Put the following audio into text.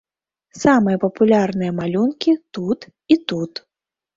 Самыя папулярныя малюнкі тут і тут.